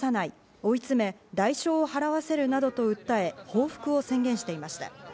追い詰め、代償を払わせるなどと訴え、報復を宣言していました。